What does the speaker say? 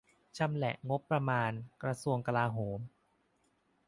ชำแหละงบประมาณ "กระทรวงกลาโหม"